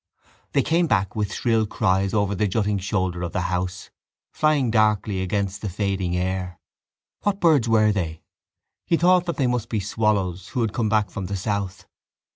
They came back with shrill cries over the jutting shoulder of the house, flying darkly against the fading air. What birds were they? He thought that they must be swallows who had come back from the south.